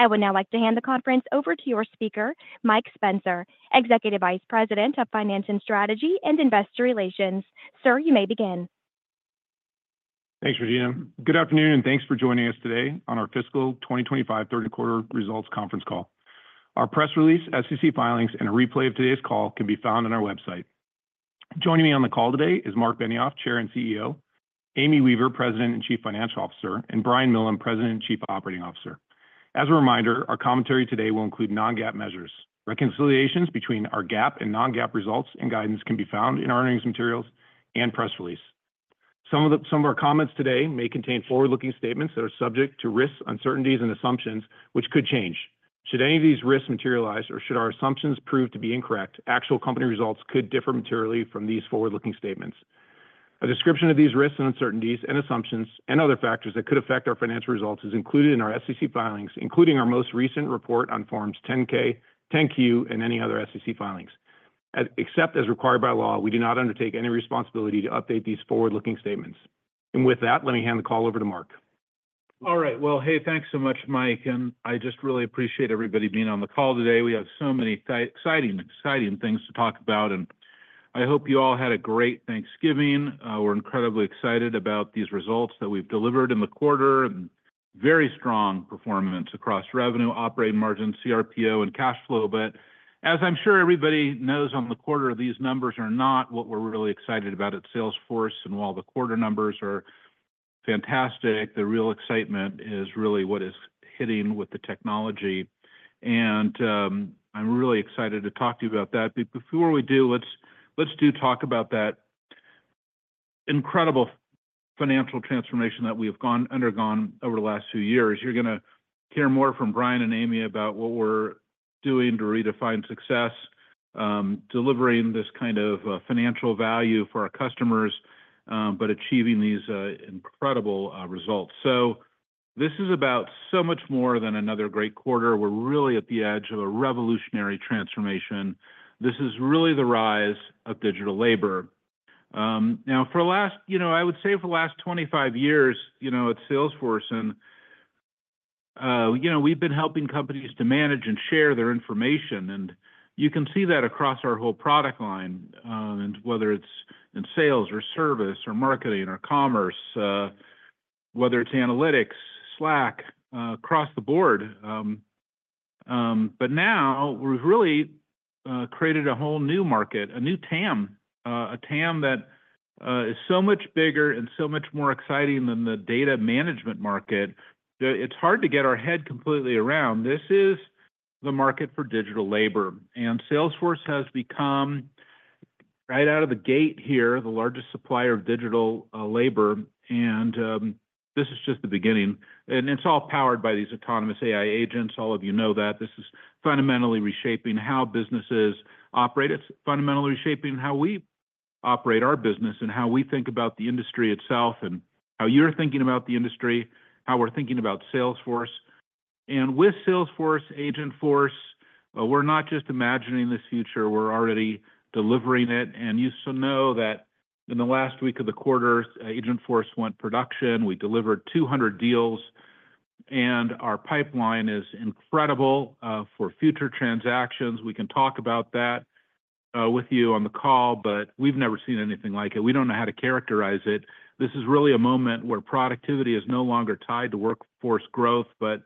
I would now like to hand the conference over to your speaker, Mike Spencer, Executive Vice President of Finance and Strategy and Investor Relations. Sir, you may begin. Thanks, Regina. Good afternoon, and thanks for joining us today on our fiscal 2025 third quarter results conference call. Our press release, SEC filings, and a replay of today's call can be found on our website. Joining me on the call today is Marc Benioff, Chair and CEO, Amy Weaver, President and Chief Financial Officer, and Brian Millham, President and Chief Operating Officer. As a reminder, our commentary today will include non-GAAP measures. Reconciliations between our GAAP and non-GAAP results and guidance can be found in our earnings materials and press release. Some of our comments today may contain forward-looking statements that are subject to risks, uncertainties, and assumptions, which could change. Should any of these risks materialize, or should our assumptions prove to be incorrect, actual company results could differ materially from these forward-looking statements. A description of these risks and uncertainties, and assumptions, and other factors that could affect our financial results is included in our SEC filings, including our most recent report on Forms 10-K, 10-Q, and any other SEC filings. Except as required by law, we do not undertake any responsibility to update these forward-looking statements. And with that, let me hand the call over to Marc. All right. Well, hey, thanks so much, Mike. And I just really appreciate everybody being on the call today. We have so many exciting, exciting things to talk about. And I hope you all had a great Thanksgiving. We're incredibly excited about these results that we've delivered in the quarter and very strong performance across revenue, operating margin, CRPO, and cash flow. But as I'm sure everybody knows on the quarter, these numbers are not what we're really excited about at Salesforce. And while the quarter numbers are fantastic, the real excitement is really what is hitting with the technology. And I'm really excited to talk to you about that. But before we do, let's do talk about that incredible financial transformation that we have undergone over the last few years. You're going to hear more from Brian and Amy about what we're doing to redefine success, delivering this kind of financial value for our customers, but achieving these incredible results, so this is about so much more than another great quarter. We're really at the edge of a revolutionary transformation. This is really the rise of digital labor. Now, for the last, you know, I would say for the last 25 years, you know, at Salesforce, and you know, we've been helping companies to manage and share their information, and you can see that across our whole product line, and whether it's in sales, or service, or marketing, or commerce, whether it's analytics, Slack, across the board, but now we've really created a whole new market, a new TAM, a TAM that is so much bigger and so much more exciting than the data management market. It's hard to get our head completely around. This is the market for digital labor. And Salesforce has become, right out of the gate here, the largest supplier of digital labor. And this is just the beginning. And it's all powered by these autonomous AI agents. All of you know that. This is fundamentally reshaping how businesses operate. It's fundamentally reshaping how we operate our business and how we think about the industry itself and how you're thinking about the industry, how we're thinking about Salesforce. And with Salesforce, Agentforce, we're not just imagining this future. We're already delivering it. And you should know that in the last week of the quarter, Agentforce went production. We delivered 200 deals. And our pipeline is incredible for future transactions. We can talk about that with you on the call, but we've never seen anything like it. We don't know how to characterize it. This is really a moment where productivity is no longer tied to workforce growth, but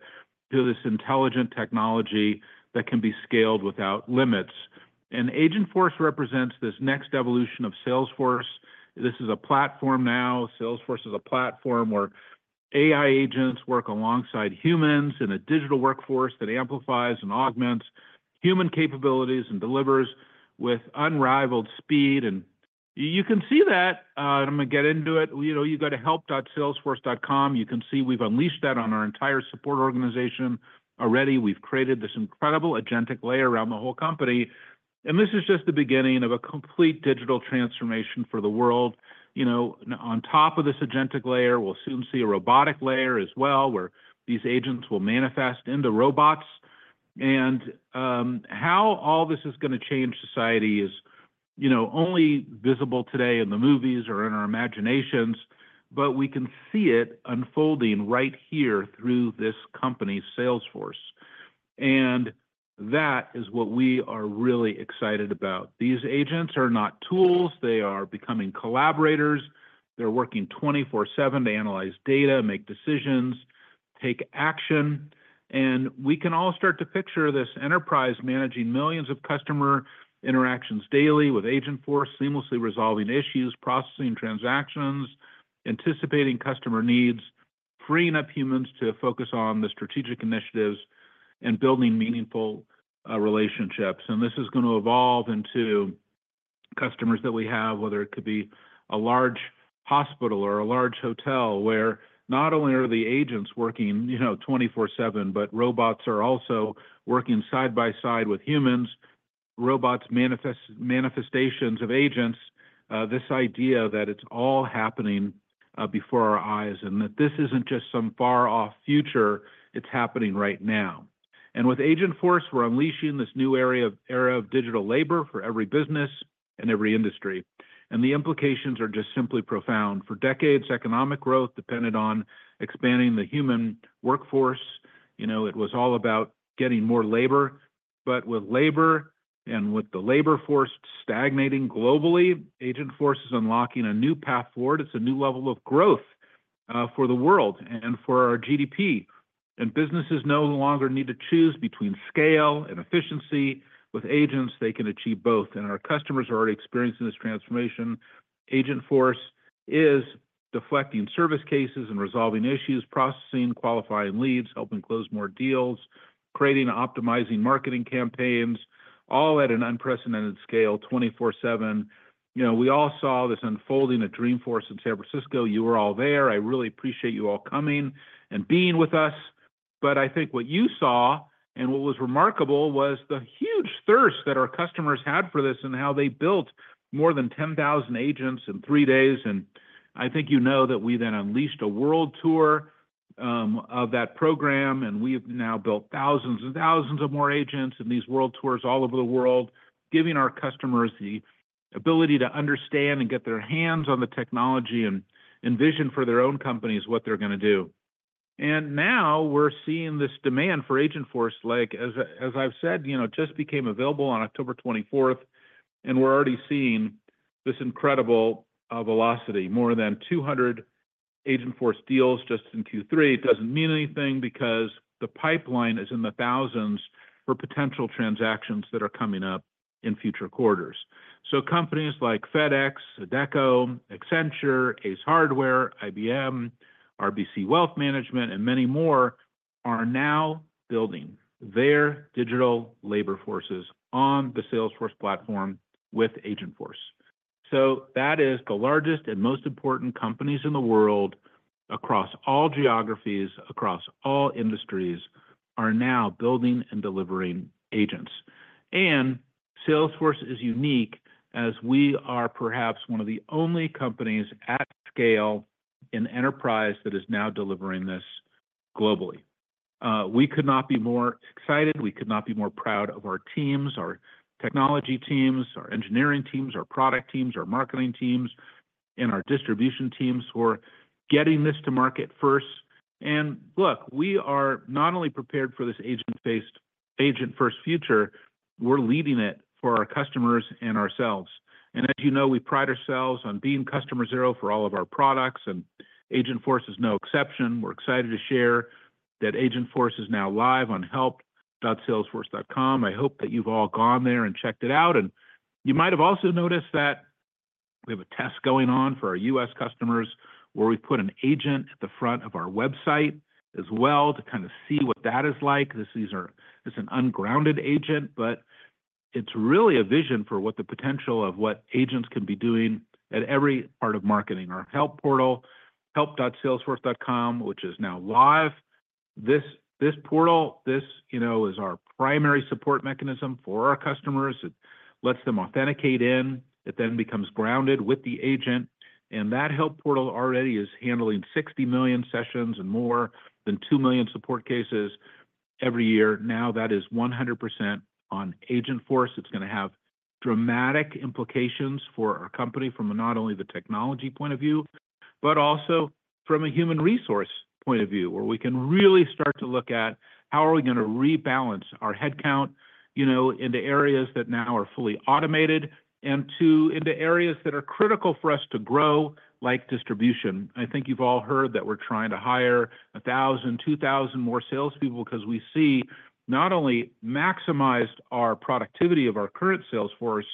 to this intelligent technology that can be scaled without limits. And Agentforce represents this next evolution of Salesforce. This is a platform now. Salesforce is a platform where AI agents work alongside humans in a digital workforce that amplifies and augments human capabilities and delivers with unrivaled speed. And you can see that. I'm going to get into it. You go to help.salesforce.com. You can see we've unleashed that on our entire support organization already. We've created this incredible agentic layer around the whole company. And this is just the beginning of a complete digital transformation for the world. You know, on top of this agentic layer, we'll soon see a robotic layer as well, where these agents will manifest into robots. How all this is going to change society is, you know, only visible today in the movies or in our imaginations, but we can see it unfolding right here through this company, Salesforce. That is what we are really excited about. These agents are not tools. They are becoming collaborators. They're working 24/7 to analyze data, make decisions, take action. We can all start to picture this enterprise managing millions of customer interactions daily with Agentforce, seamlessly resolving issues, processing transactions, anticipating customer needs, freeing up humans to focus on the strategic initiatives and building meaningful relationships. This is going to evolve into customers that we have, whether it could be a large hospital or a large hotel, where not only are the agents working, you know, 24/7, but robots are also working side by side with humans, robots manifestations of agents, this idea that it's all happening before our eyes and that this isn't just some far-off future. It's happening right now. With Agentforce, we're unleashing this new era of digital labor for every business and every industry. The implications are just simply profound. For decades, economic growth depended on expanding the human workforce. You know, it was all about getting more labor. With labor and with the labor force stagnating globally, Agentforce is unlocking a new path forward. It's a new level of growth for the world and for our GDP. Businesses no longer need to choose between scale and efficiency. With agents, they can achieve both. Our customers are already experiencing this transformation. Agentforce is deflecting service cases and resolving issues, processing, qualifying leads, helping close more deals, creating and optimizing marketing campaigns, all at an unprecedented scale, 24/7. You know, we all saw this unfolding at Dreamforce in San Francisco. You were all there. I really appreciate you all coming and being with us. I think what you saw and what was remarkable was the huge thirst that our customers had for this and how they built more than 10,000 agents in three days. I think you know that we then unleashed a world tour of that program. We have now built thousands and thousands of more agents in these world tours all over the world, giving our customers the ability to understand and get their hands on the technology and envision for their own companies what they're going to do. Now we're seeing this demand for Agentforce, like, as I've said, you know, just became available on October 24th. We're already seeing this incredible velocity. More than 200 Agentforce deals just in Q3. It doesn't mean anything because the pipeline is in the thousands for potential transactions that are coming up in future quarters. Companies like FedEx, Adecco, Accenture, Ace Hardware, IBM, RBC Wealth Management, and many more are now building their digital labor forces on the Salesforce platform with Agentforce. That is the largest and most important companies in the world across all geographies, across all industries, are now building and delivering agents. Salesforce is unique as we are perhaps one of the only companies at scale in enterprise that is now delivering this globally. We could not be more excited. We could not be more proud of our teams, our technology teams, our engineering teams, our product teams, our marketing teams, and our distribution teams for getting this to market first. We are not only prepared for this agent-first future, we're leading it for our customers and ourselves. As you know, we pride ourselves on being customer zero for all of our products. Agentforce is no exception. We're excited to share that Agentforce is now live on help.salesforce.com. I hope that you've all gone there and checked it out. You might have also noticed that we have a test going on for our U.S. customers where we've put an agent at the front of our website as well to kind of see what that is like. This is an ungrounded agent, but it's really a vision for what the potential of what agents can be doing at every part of marketing. Our help portal, help.salesforce.com, which is now live. This portal, this, you know, is our primary support mechanism for our customers. It lets them authenticate in. It then becomes grounded with the agent. And that help portal already is handling 60 million sessions and more than two million support cases every year. Now that is 100% on Agentforce. It's going to have dramatic implications for our company from not only the technology point of view, but also from a human resource point of view, where we can really start to look at how are we going to rebalance our headcount, you know, into areas that now are fully automated and into areas that are critical for us to grow, like distribution. I think you've all heard that we're trying to hire 1,000, 2,000 more salespeople because we see not only maximized our productivity of our current sales force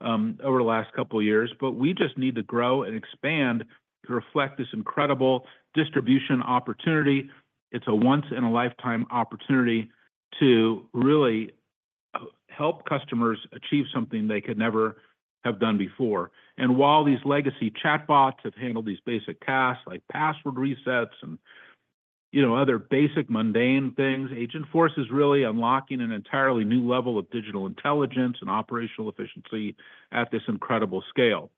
over the last couple of years, but we just need to grow and expand to reflect this incredible distribution opportunity. It's a once-in-a-lifetime opportunity to really help customers achieve something they could never have done before. While these legacy chatbots have handled these basic tasks like password resets and, you know, other basic mundane things, Agentforce is really unlocking an entirely new level of digital intelligence and operational efficiency at this incredible scale.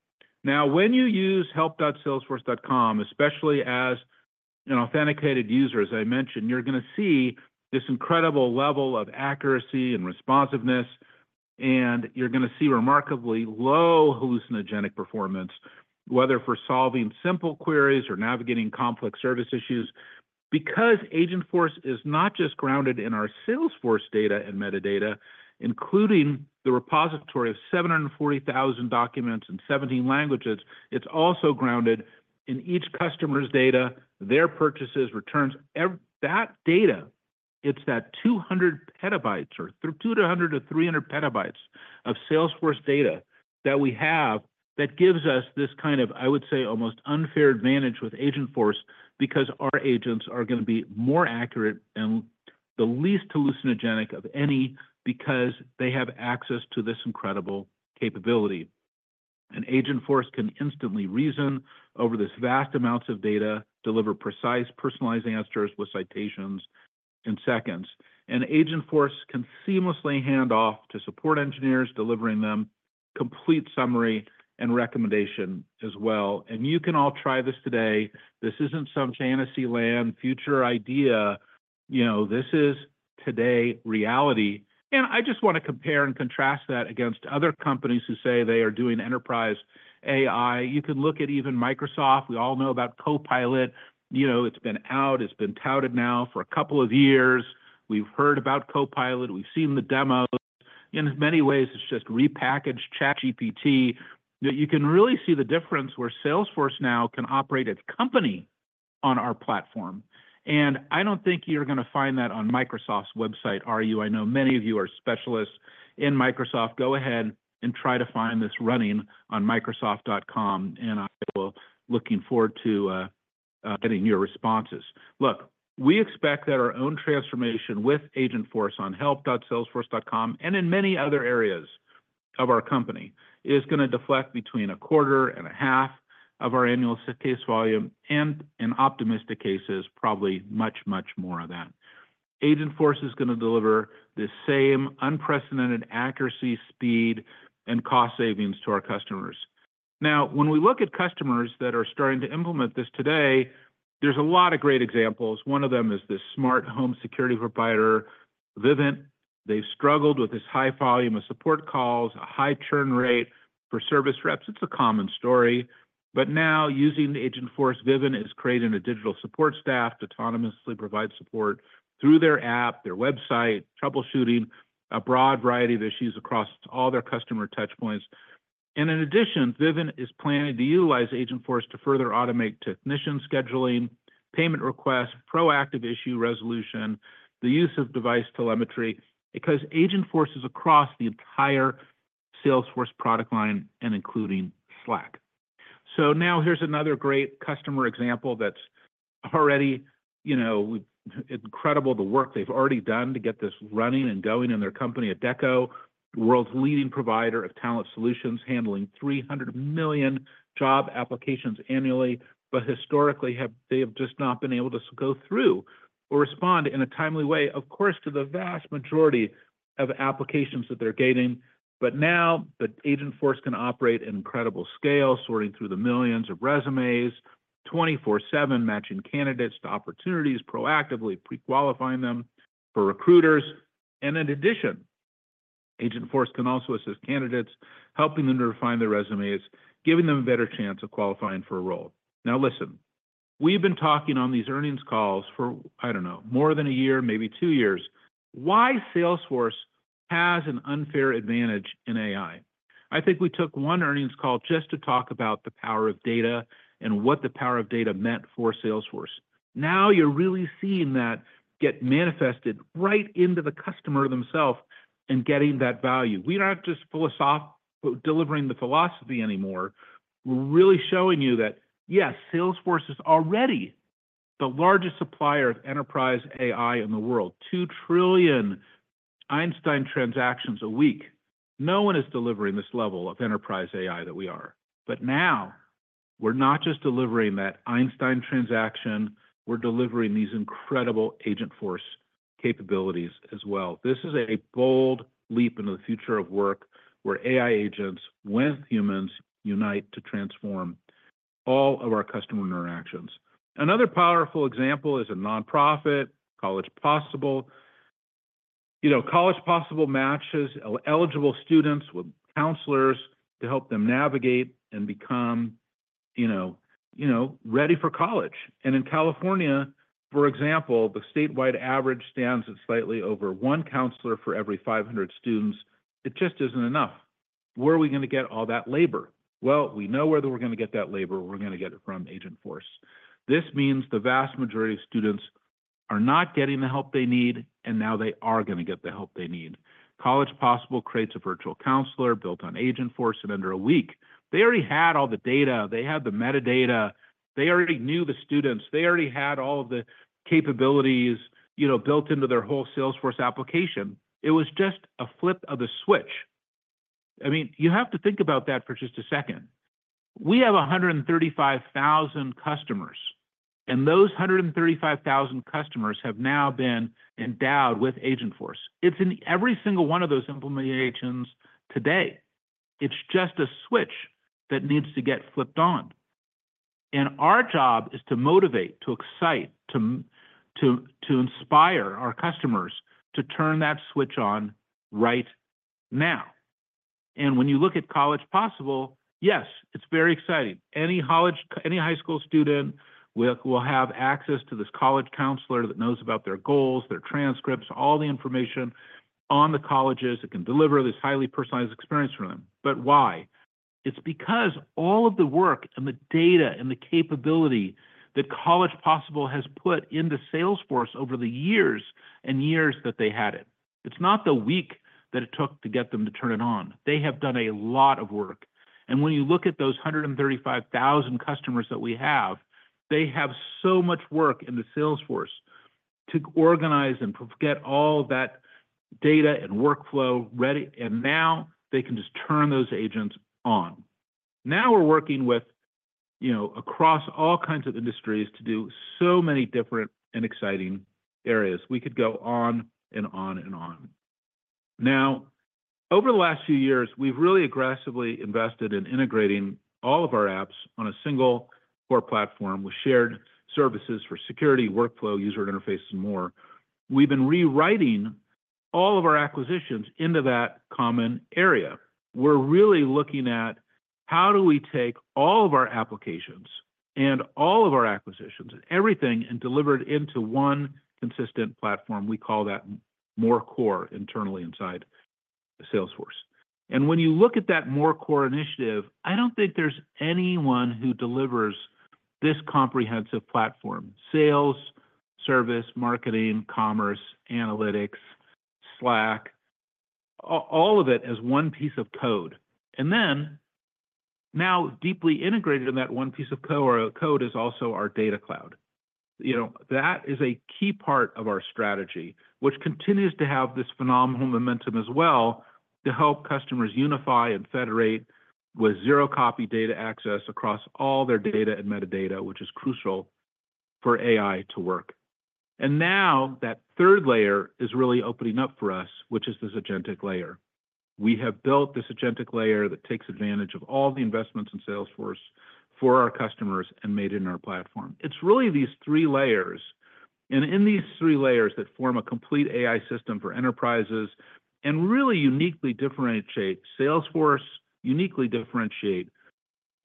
Now, when you use help.salesforce.com, especially as an authenticated user, as I mentioned, you're going to see this incredible level of accuracy and responsiveness. You're going to see remarkably low hallucinogenic performance, whether for solving simple queries or navigating complex service issues because Agentforce is not just grounded in our Salesforce data and metadata, including the repository of 740,000 documents in 17 languages, it's also grounded in each customer's data, their purchases, returns. That data, it's that 200 petabytes or 200-300 petabytes of Salesforce data that we have that gives us this kind of, I would say, almost unfair advantage with Agentforce because our agents are going to be more accurate and the least hallucinogenic of any because they have access to this incredible capability. Agentforce can instantly reason over this vast amounts of data, deliver precise personalized answers with citations in seconds. Agentforce can seamlessly hand off to support engineers delivering them complete summary and recommendation as well. You can all try this today. This isn't some fantasy land future idea. You know, this is today reality. I just want to compare and contrast that against other companies who say they are doing enterprise AI. You can look at even Microsoft. We all know about Copilot. You know, it's been out. It's been touted now for a couple of years. We've heard about Copilot. We've seen the demos. In many ways, it's just repackaged ChatGPT. You can really see the difference where Salesforce now can operate its company on our platform, and I don't think you're going to find that on Microsoft's website, are you? I know many of you are specialists in Microsoft. Go ahead and try to find this running on microsoft.com, and I will be looking forward to getting your responses. Look, we expect that our own transformation with Agentforce on help.salesforce.com and in many other areas of our company is going to deflect between a quarter and a half of our annual case volume and, in optimistic cases, probably much, much more of that. Agentforce is going to deliver the same unprecedented accuracy, speed, and cost savings to our customers. Now, when we look at customers that are starting to implement this today, there's a lot of great examples. One of them is the smart home security provider, Vivint. They've struggled with this high volume of support calls, a high churn rate for service reps. It's a common story. But now, using Agentforce, Vivint is creating a digital support staff to autonomously provide support through their app, their website, troubleshooting a broad variety of issues across all their customer touchpoints. And in addition, Vivint is planning to utilize Agentforce to further automate technician scheduling, payment requests, proactive issue resolution, the use of device telemetry because Agentforce is across the entire Salesforce product line and including Slack. So now here's another great customer example that's already, you know, incredible the work they've already done to get this running and going in their company at Adecco, the world's leading provider of talent solutions, handling 300 million job applications annually. But historically they have just not been able to go through or respond in a timely way, of course, to the vast majority of applications that they're getting. But now, Agentforce can operate at incredible scale, sorting through the millions of resumes 24/7, matching candidates to opportunities, proactively pre-qualifying them for recruiters. And in addition, Agentforce can also assist candidates, helping them to refine their resumes, giving them a better chance of qualifying for a role. Now, listen, we've been talking on these earnings calls for, I don't know, more than a year, maybe two years. Why Salesforce has an unfair advantage in AI. I think we took one earnings call just to talk about the power of data and what the power of data meant for Salesforce. Now you're really seeing that get manifested right into the customer themself and getting that value. We aren't just philosophical delivering the philosophy anymore. We're really showing you that, yes, Salesforce is already the largest supplier of enterprise AI in the world, 2 trillion Einstein transactions a week. No one is delivering this level of enterprise AI that we are. But now we're not just delivering that Einstein transaction. We're delivering these incredible Agentforce capabilities as well. This is a bold leap into the future of work where AI agents with humans unite to transform all of our customer interactions. Another powerful example is a nonprofit, College Possible. You know, College Possible matches eligible students with counselors to help them navigate and become, you know, ready for college. And in California, for example, the statewide average stands at slightly over one counselor for every 500 students. It just isn't enough. Where are we going to get all that labor? Well, we know where we're going to get that labor. We're going to get it from Agentforce. This means the vast majority of students are not getting the help they need, and now they are going to get the help they need. College Possible creates a virtual counselor built on Agentforce. And under a week, they already had all the data. They had the metadata. They already knew the students. They already had all of the capabilities, you know, built into their whole Salesforce application. It was just a flip of the switch. I mean, you have to think about that for just a second. We have 135,000 customers, and those 135,000 customers have now been endowed with Agentforce. It's in every single one of those implementations today. It's just a switch that needs to get flipped on, and our job is to motivate, to excite, to inspire our customers to turn that switch on right now, and when you look at College Possible, yes, it's very exciting. Any college, any high school student will have access to this college counselor that knows about their goals, their transcripts, all the information on the colleges that can deliver this highly personalized experience for them, but why? It's because all of the work and the data and the capability that College Possible has put into Salesforce over the years and years that they had it. It's not the week that it took to get them to turn it on. They have done a lot of work, and when you look at those 135,000 customers that we have, they have so much work in Salesforce to organize and get all that data and workflow ready, and now they can just turn those agents on. Now we're working with, you know, across all kinds of industries to do so many different and exciting areas. We could go on and on and on. Now, over the last few years, we've really aggressively invested in integrating all of our apps on a single core platform with shared services for security, workflow, user interface, and more. We've been rewriting all of our acquisitions into that common area. We're really looking at how do we take all of our applications and all of our acquisitions and everything and deliver it into one consistent platform. We call that more core internally inside Salesforce. And when you look at that more core initiative, I don't think there's anyone who delivers this comprehensive platform: sales, service, marketing, commerce, analytics, Slack, all of it as one piece of code. And then now deeply integrated in that one piece of code is also our Data Cloud. You know, that is a key part of our strategy, which continues to have this phenomenal momentum as well to help customers unify and federate with zero-copy data access across all their data and metadata, which is crucial for AI to work. And now that third layer is really opening up for us, which is this agentic layer. We have built this agentic layer that takes advantage of all the investments in Salesforce for our customers and made it in our platform. It's really these three layers, and in these three layers that form a complete AI system for enterprises and really uniquely differentiate Salesforce, uniquely differentiate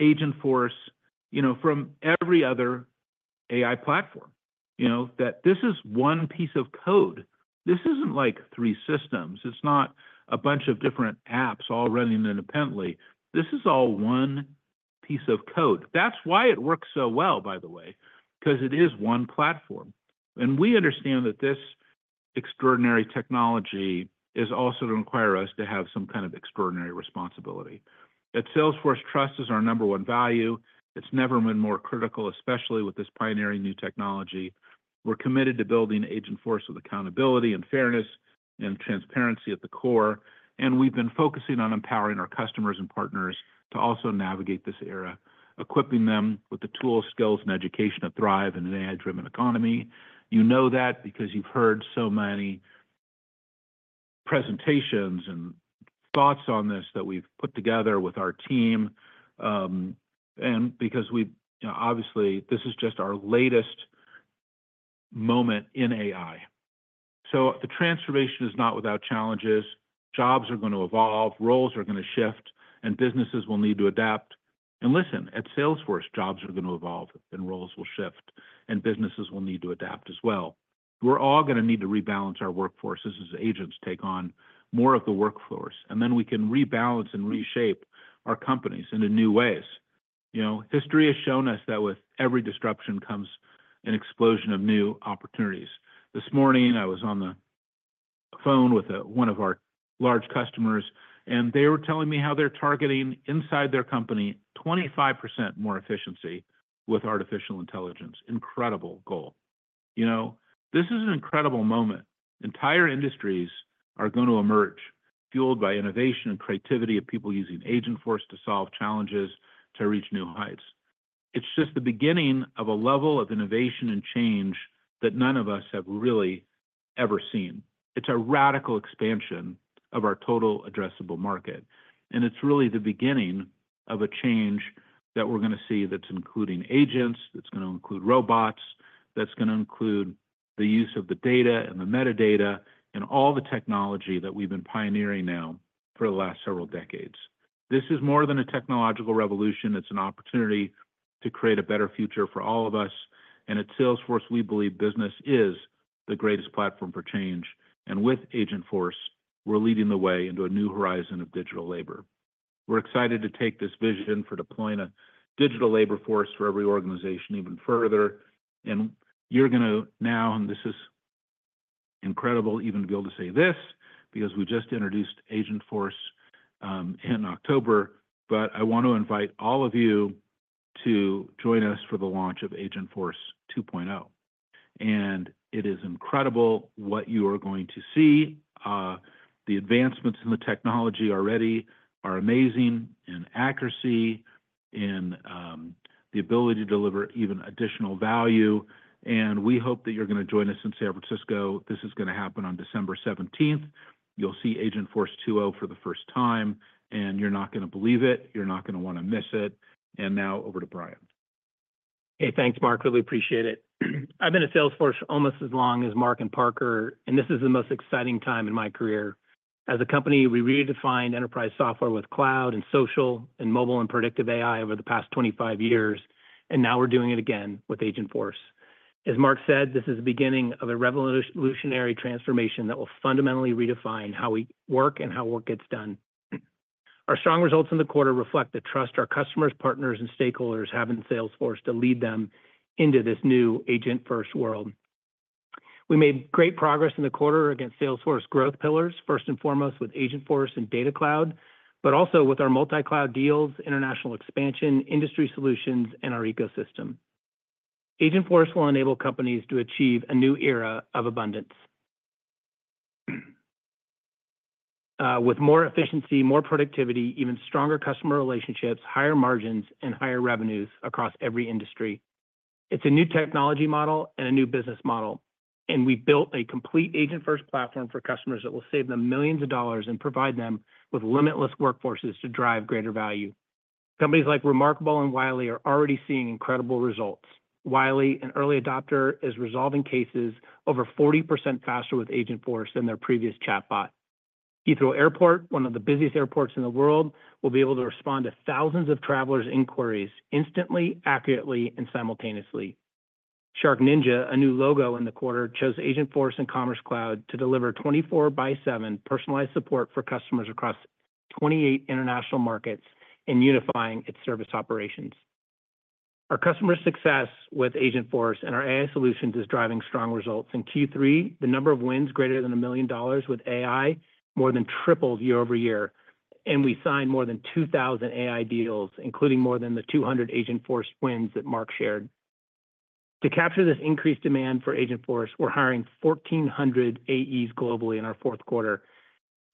Agentforce, you know, from every other AI platform. You know, that this is one piece of code. This isn't like three systems. It's not a bunch of different apps all running independently. This is all one piece of code. That's why it works so well, by the way, because it is one platform, and we understand that this extraordinary technology is also going to require us to have some kind of extraordinary responsibility. That Salesforce trust is our number one value. It's never been more critical, especially with this pioneering new technology. We're committed to building Agentforce with accountability and fairness and transparency at the core. And we've been focusing on empowering our customers and partners to also navigate this era, equipping them with the tools, skills, and education to thrive in an AI-driven economy. You know that because you've heard so many presentations and thoughts on this that we've put together with our team. And because we've obviously this is just our latest moment in AI. So the transformation is not without challenges. Jobs are going to evolve. Roles are going to shift. And businesses will need to adapt. And listen, at Salesforce, jobs are going to evolve and roles will shift. And businesses will need to adapt as well. We're all going to need to rebalance our workforces as agents take on more of the workforce. And then we can rebalance and reshape our companies in new ways. You know, history has shown us that with every disruption comes an explosion of new opportunities. This morning, I was on the phone with one of our large customers, and they were telling me how they're targeting inside their company 25% more efficiency with artificial intelligence. Incredible goal. You know, this is an incredible moment. Entire industries are going to emerge fueled by innovation and creativity of people using Agentforce to solve challenges, to reach new heights. It's just the beginning of a level of innovation and change that none of us have really ever seen. It's a radical expansion of our total addressable market. And it's really the beginning of a change that we're going to see that's including agents, that's going to include robots, that's going to include the use of the data and the metadata and all the technology that we've been pioneering now for the last several decades. This is more than a technological revolution. It's an opportunity to create a better future for all of us. And at Salesforce, we believe business is the greatest platform for change. And with Agentforce, we're leading the way into a new horizon of digital labor. We're excited to take this vision for deploying a digital labor force for every organization even further. And you're going to now, and this is incredible even to be able to say this because we just introduced Agentforce in October, but I want to invite all of you to join us for the launch of Agentforce 2.0. It is incredible what you are going to see. The advancements in the technology already are amazing in accuracy, in the ability to deliver even additional value. We hope that you're going to join us in San Francisco. This is going to happen on December 17th. You'll see Agentforce 2.0 for the first time. You're not going to believe it. You're not going to want to miss it. Now over to Brian. Hey, thanks, Mark. Really appreciate it. I've been at Salesforce almost as long as Mark and Parker. This is the most exciting time in my career. As a company, we redefined enterprise software with cloud and social and mobile and predictive AI over the past 25 years. Now we're doing it again with Agentforce. As Mark said, this is the beginning of a revolutionary transformation that will fundamentally redefine how we work and how work gets done. Our strong results in the quarter reflect the trust our customers, partners, and stakeholders have in Salesforce to lead them into this new Agentforce world. We made great progress in the quarter against Salesforce growth pillars, first and foremost with Agentforce and Data Cloud, but also with our multi-cloud deals, international expansion, industry solutions, and our ecosystem. Agentforce will enable companies to achieve a new era of abundance with more efficiency, more productivity, even stronger customer relationships, higher margins, and higher revenues across every industry. It's a new technology model and a new business model, and we've built a complete Agentforce platform for customers that will save them millions of dollars and provide them with limitless workforces to drive greater value. Companies like reMarkable and Wiley are already seeing incredible results. Wiley, an early adopter, is resolving cases over 40% faster with Agentforce than their previous chatbot. Heathrow Airport, one of the busiest airports in the world, will be able to respond to thousands of travelers' inquiries instantly, accurately, and simultaneously. SharkNinja, a new logo in the quarter, chose Agentforce and Commerce Cloud to deliver 24 by 7 personalized support for customers across 28 international markets and unifying its service operations. Our customer success with Agentforce and our AI solutions is driving strong results. In Q3, the number of wins greater than $1 million with AI more than tripled year-over-year. We signed more than 2,000 AI deals, including more than the 200 Agentforce wins that Mark shared. To capture this increased demand for Agentforce, we're hiring 1,400 AEs globally in our fourth quarter.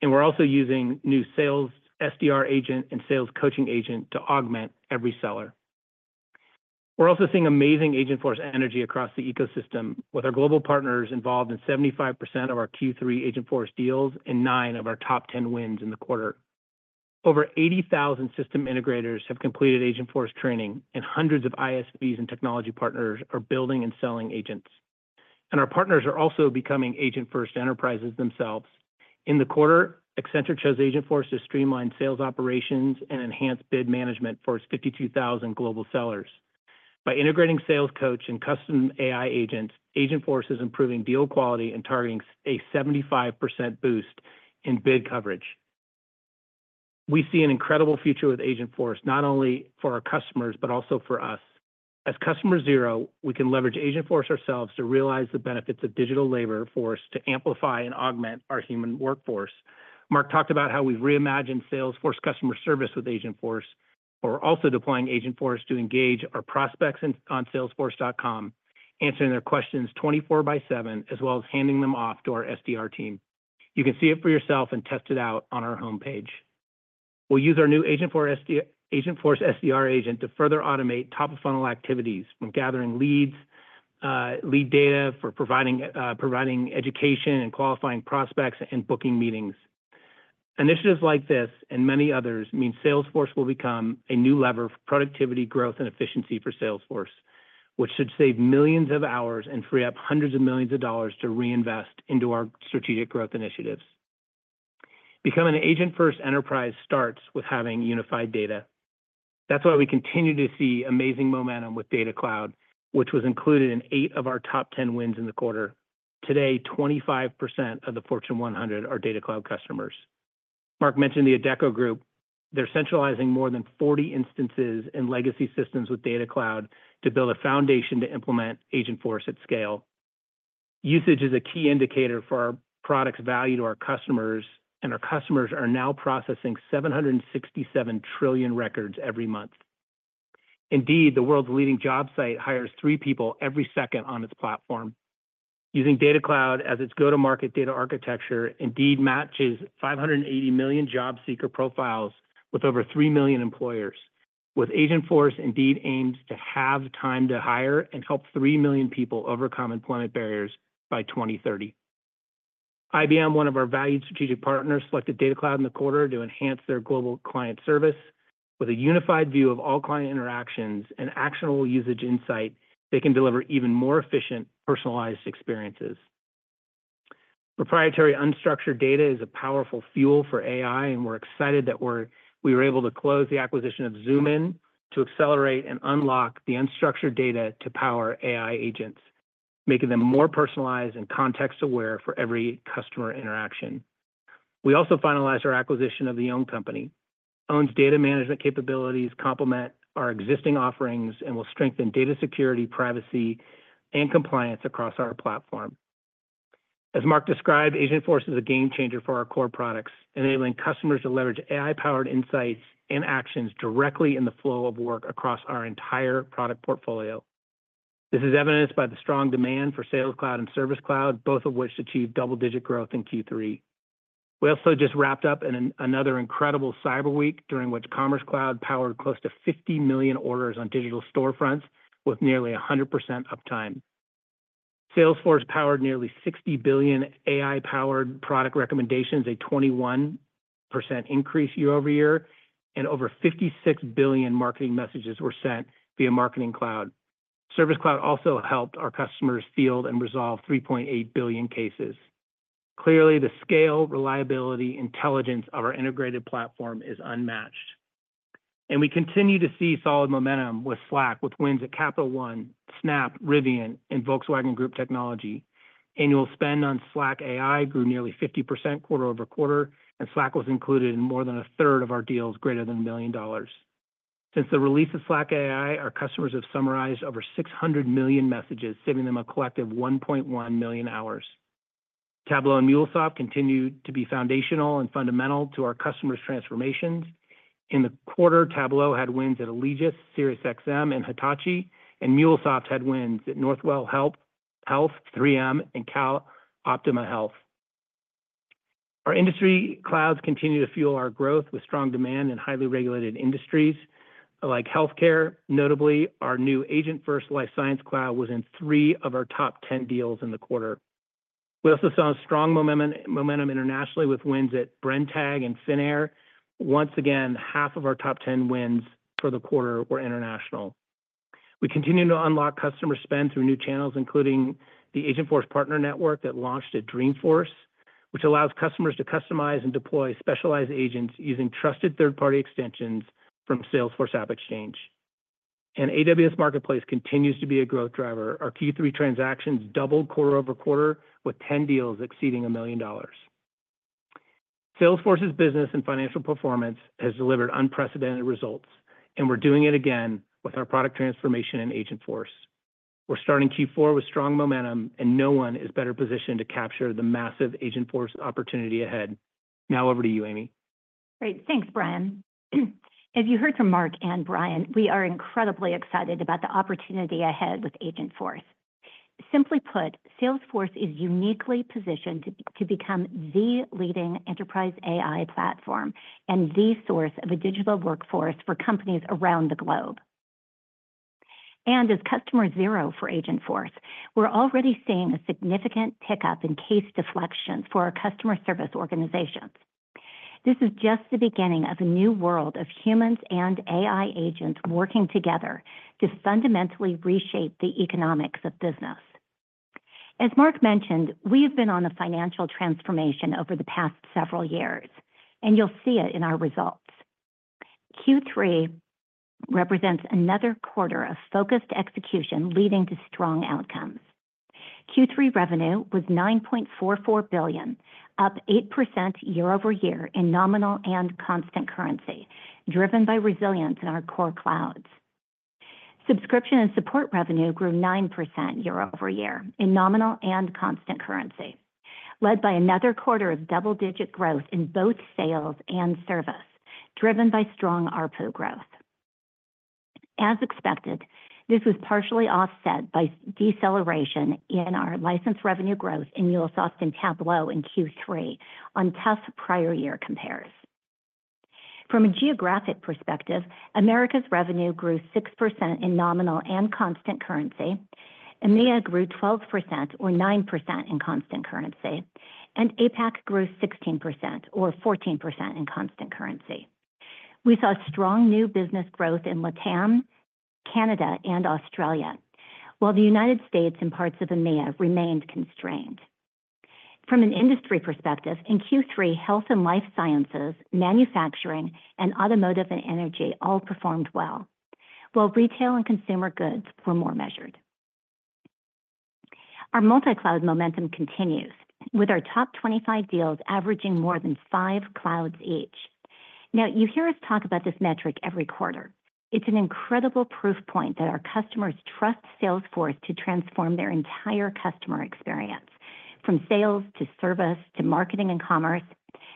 And we're also using new sales SDR agent and sales coaching agent to augment every seller. We're also seeing amazing Agentforce energy across the ecosystem with our global partners involved in 75% of our Q3 Agentforce deals and nine of our top 10 wins in the quarter. Over 80,000 system integrators have completed Agentforce training, and hundreds of ISVs and technology partners are building and selling agents. And our partners are also becoming Agentforce enterprises themselves. In the quarter, Accenture chose Agentforce to streamline sales operations and enhance bid management for its 52,000 global sellers. By integrating sales coach and custom AI agents, Agentforce is improving deal quality and targeting a 75% boost in bid coverage. We see an incredible future with Agentforce, not only for our customers, but also for us. As customer zero, we can leverage Agentforce ourselves to realize the benefits of digital labor for us to amplify and augment our human workforce. Mark talked about how we've reimagined Salesforce customer service with Agentforce. We're also deploying Agentforce to engage our prospects on salesforce.com, answering their questions 24 by 7, as well as handing them off to our SDR team. You can see it for yourself and test it out on our homepage. We'll use our new Agentforce SDR agent to further automate top-of-funnel activities from gathering leads, lead data for providing education and qualifying prospects and booking meetings. Initiatives like this and many others mean Salesforce will become a new lever for productivity, growth, and efficiency for Salesforce, which should save millions of hours and free up hundreds of millions of dollars to reinvest into our strategic growth initiatives. Becoming an Agentforce enterprise starts with having unified data. That's why we continue to see amazing momentum with Data Cloud, which was included in eight of our top 10 wins in the quarter. Today, 25% of the Fortune 100 are Data Cloud customers. Mark mentioned the Adecco Group. They're centralizing more than 40 instances and legacy systems with Data Cloud to build a foundation to implement Agentforce at scale. Usage is a key indicator for our product's value to our customers, and our customers are now processing 767 trillion records every month. Indeed, the world's leading job site hires three people every second on its platform. Using Data Cloud as its go-to-market data architecture, Indeed matches 580 million job seeker profiles with over 3 million employers. With Agentforce, Indeed aims to have time to hire and help 3 million people overcome employment barriers by 2030. IBM, one of our valued strategic partners, selected Data Cloud in the quarter to enhance their global client service with a unified view of all client interactions and actionable usage insight. They can deliver even more efficient personalized experiences. Proprietary unstructured data is a powerful fuel for AI, and we're excited that we were able to close the acquisition of Zoomin to accelerate and unlock the unstructured data to power AI agents, making them more personalized and context-aware for every customer interaction. We also finalized our acquisition of the Own Company. Own's data management capabilities complement our existing offerings and will strengthen data security, privacy, and compliance across our platform. As Mark described, Agentforce is a game changer for our core products, enabling customers to leverage AI-powered insights and actions directly in the flow of work across our entire product portfolio. This is evidenced by the strong demand for Sales Cloud and Service Cloud, both of which achieved double-digit growth in Q3. We also just wrapped up in another incredible cyber week during which Commerce Cloud powered close to 50 million orders on digital storefronts with nearly 100% uptime. Salesforce powered nearly 60 billion AI-powered product recommendations, a 21% increase year-over-year, and over 56 billion marketing messages were sent via Marketing Cloud. Service Cloud also helped our customers field and resolve 3.8 billion cases. Clearly, the scale, reliability, and intelligence of our integrated platform is unmatched. And we continue to see solid momentum with Slack, with wins at Capital One, Snap, Rivian, and Volkswagen Group Technology. Annual spend on Slack AI grew nearly 50% quarter-over-quarter, and Slack was included in more than 1/3 of our deals greater than a million dollars. Since the release of Slack AI, our customers have summarized over 600 million messages, saving them a collective 1.1 million hours. Tableau and MuleSoft continue to be foundational and fundamental to our customers' transformations. In the quarter, Tableau had wins at Allegis, SiriusXM, and Hitachi, and MuleSoft had wins at Northwell Health, 3M, and CalOptima Health. Our industry clouds continue to fuel our growth with strong demand in highly regulated industries like healthcare. Notably, our new Agentforce Life Sciences Cloud was in three of our top 10 deals in the quarter. We also saw strong momentum internationally with wins at Brenntag and Finnair. Once again, half of our top 10 wins for the quarter were international. We continue to unlock customer spend through new channels, including the Agentforce Partner Network that launched at Dreamforce, which allows customers to customize and deploy specialized agents using trusted third-party extensions from Salesforce AppExchange. And AWS Marketplace continues to be a growth driver. Our Q3 transactions doubled quarter-over-quarter, with 10 deals exceeding $1 million. Salesforce's business and financial performance has delivered unprecedented results, and we're doing it again with our product transformation in Agentforce. We're starting Q4 with strong momentum, and no one is better positioned to capture the massive Agentforce opportunity ahead. Now over to you, Amy. Great. Thanks, Brian. As you heard from Mark and Brian, we are incredibly excited about the opportunity ahead with Agentforce. Simply put, Salesforce is uniquely positioned to become the leading enterprise AI platform and the source of a digital workforce for companies around the globe. As customer zero for Agentforce, we're already seeing a significant pickup in case deflections for our customer service organizations. This is just the beginning of a new world of humans and AI agents working together to fundamentally reshape the economics of business. As Marc mentioned, we have been on a financial transformation over the past several years, and you'll see it in our results. Q3 represents another quarter of focused execution leading to strong outcomes. Q3 revenue was $9.44 billion, up 8% year-over-year in nominal and constant currency, driven by resilience in our core clouds. Subscription and support revenue grew 9% year over year in nominal and constant currency, led by another quarter of double-digit growth in both sales and service, driven by strong ARPU growth. As expected, this was partially offset by deceleration in our license revenue growth in MuleSoft and Tableau in Q3 on tough prior year compares. From a geographic perspective, Americas revenue grew 6% in nominal and constant currency. EMEA grew 12% or 9% in constant currency, and APAC grew 16% or 14% in constant currency. We saw strong new business growth in Latam, Canada, and Australia, while the United States and parts of EMEA remained constrained. From an industry perspective, in Q3, health and life sciences, manufacturing, and automotive and energy all performed well, while retail and consumer goods were more measured. Our multi-cloud momentum continues, with our top 25 deals averaging more than five clouds each. Now, you hear us talk about this metric every quarter. It's an incredible proof point that our customers trust Salesforce to transform their entire customer experience, from sales to service to marketing and commerce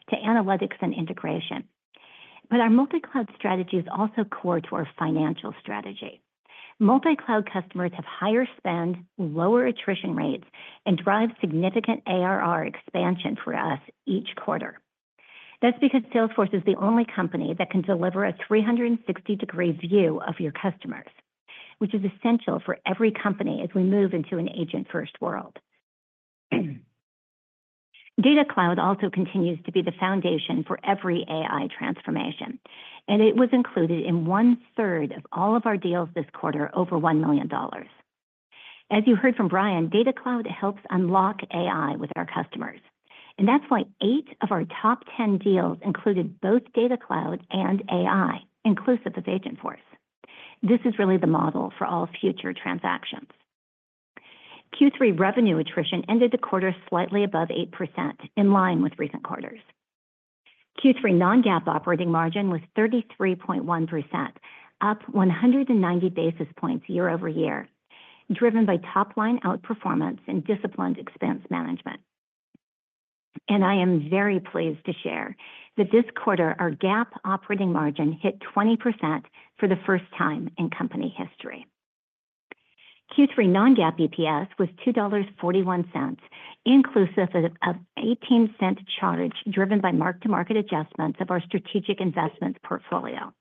to analytics and integration. But our multi-cloud strategy is also core to our financial strategy. Multi-cloud customers have higher spend, lower attrition rates, and drive significant ARR expansion for us each quarter. That's because Salesforce is the only company that can deliver a 360-degree view of your customers, which is essential for every company as we move into an Agentforce world. Data Cloud also continues to be the foundation for every AI transformation, and it was included in one-third of all of our deals this quarter over $1 million. As you heard from Brian, Data Cloud helps unlock AI with our customers, and that's why eight of our top 10 deals included both Data Cloud and AI, inclusive of Agentforce. This is really the model for all future transactions. Q3 revenue attrition ended the quarter slightly above 8%, in line with recent quarters. Q3 non-GAAP operating margin was 33.1%, up 190 basis points year-over-year, driven by top-line outperformance and disciplined expense management, and I am very pleased to share that this quarter our GAAP operating margin hit 20% for the first time in company history. Q3 non-GAAP EPS was $2.41, inclusive of an $0.18 charge, driven by mark-to-market adjustments of our strategic investments portfolio.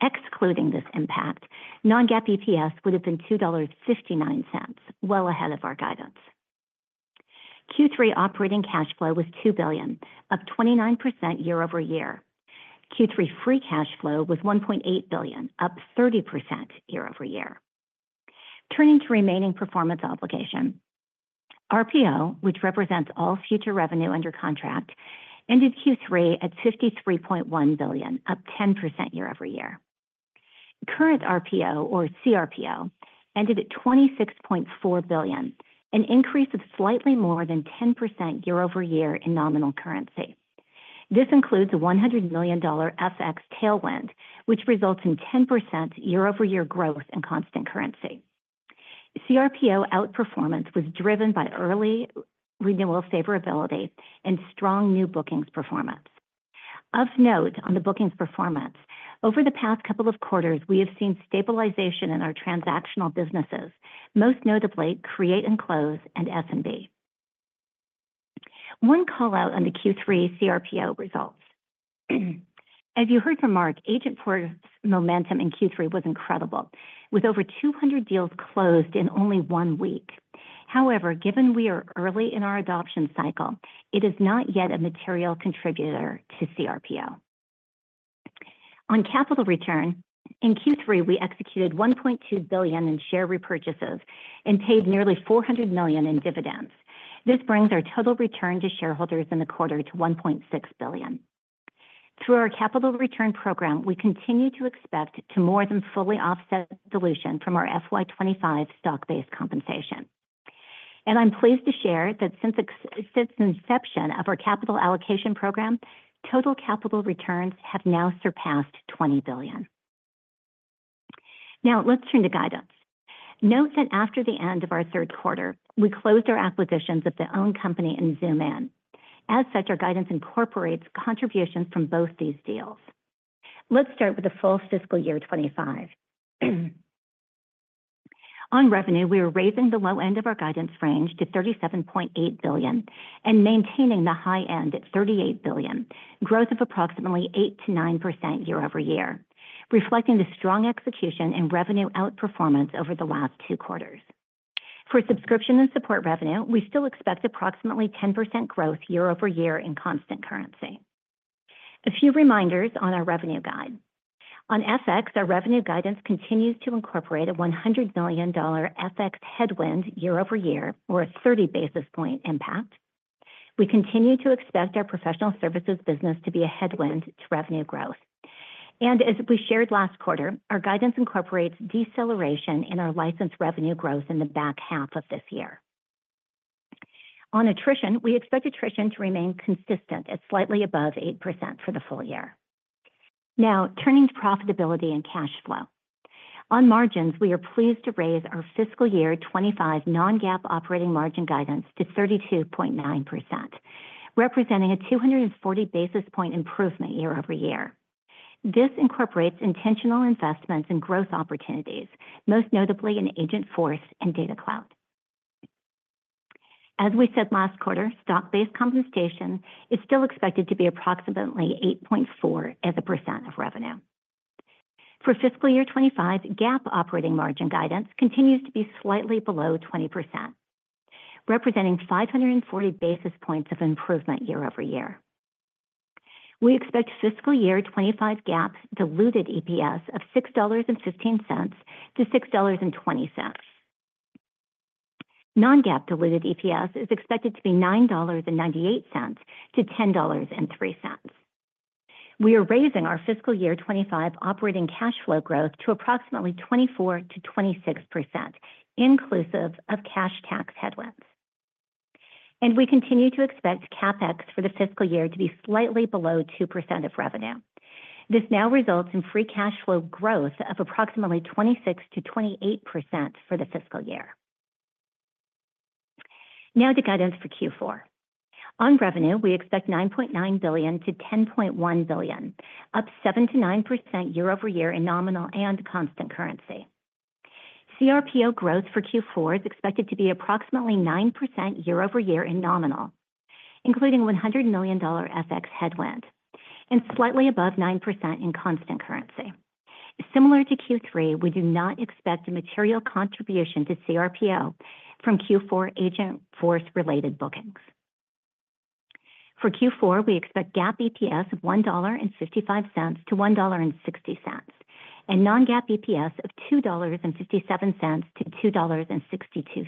Excluding this impact, non-GAAP EPS would have been $2.59, well ahead of our guidance. Q3 operating cash flow was $2 billion, up 29% year-over-year. Q3 free cash flow was $1.8 billion, up 30% year-over-year. Turning to remaining performance obligation, RPO, which represents all future revenue under contract, ended Q3 at $53.1 billion, up 10% year-over-year. Current RPO, or CRPO, ended at $26.4 billion, an increase of slightly more than 10% year-over-year in nominal currency. This includes a $100 million FX tailwind, which results in 10% year-over-year growth in constant currency. CRPO outperformance was driven by early renewal favorability and strong new bookings performance. Of note, on the bookings performance, over the past couple of quarters, we have seen stabilization in our transactional businesses, most notably Create and Close and SMB. One callout on the Q3 CRPO results. As you heard from Mark, Agentforce momentum in Q3 was incredible, with over 200 deals closed in only one week. However, given we are early in our adoption cycle, it is not yet a material contributor to CRPO. On capital return, in Q3, we executed $1.2 billion in share repurchases and paid nearly $400 million in dividends. This brings our total return to shareholders in the quarter to $1.6 billion. Through our capital return program, we continue to expect to more than fully offset dilution from our FY25 stock-based compensation. And I'm pleased to share that since its inception of our capital allocation program, total capital returns have now surpassed $20 billion. Now, let's turn to guidance. Note that after the end of our third quarter, we closed our acquisitions of the Own Company and Zoomin. As such, our guidance incorporates contributions from both these deals. Let's start with the full fiscal year 2025. On revenue, we are raising the low end of our guidance range to $37.8 billion and maintaining the high end at $38 billion, growth of approximately 8%-9% year over year, reflecting the strong execution and revenue outperformance over the last two quarters. For subscription and support revenue, we still expect approximately 10% growth year-over-year in constant currency. A few reminders on our revenue guide. On FX, our revenue guidance continues to incorporate a $100 million FX headwind year-over-year, or a 30 basis point impact. We continue to expect our professional services business to be a headwind to revenue growth. And as we shared last quarter, our guidance incorporates deceleration in our license revenue growth in the back half of this year. On attrition, we expect attrition to remain consistent at slightly above 8% for the full year. Now, turning to profitability and cash flow. On margins, we are pleased to raise our fiscal year 2025 non-GAAP operating margin guidance to 32.9%, representing a 240 basis point improvement year over year. This incorporates intentional investments in growth opportunities, most notably in Agentforce and Data Cloud. As we said last quarter, stock-based compensation is still expected to be approximately 8.4% of revenue. For fiscal year 2025, GAAP operating margin guidance continues to be slightly below 20%, representing 540 basis points of improvement year over year. We expect fiscal year 2025 GAAP diluted EPS of $6.15-$6.20. Non-GAAP diluted EPS is expected to be $9.98-$10.03. We are raising our fiscal year 2025 operating cash flow growth to approximately 24%-26%, inclusive of cash tax headwinds, and we continue to expect CapEx for the fiscal year to be slightly below 2% of revenue. This now results in free cash flow growth of approximately 26%-28% for the fiscal year. Now to guidance for Q4. On revenue, we expect $9.9 billion-$10.1 billion, up 7%-9% year-over-year in nominal and constant currency. CRPO growth for Q4 is expected to be approximately 9% year-over-year in nominal, including $100 million FX headwind, and slightly above 9% in constant currency. Similar to Q3, we do not expect a material contribution to CRPO from Q4 Agentforce-related bookings. For Q4, we expect GAAP EPS of $1.55-$1.60, and non-GAAP EPS of $2.57-$2.62.